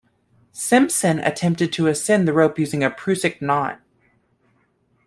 Simpson attempted to ascend the rope using a Prusik knot.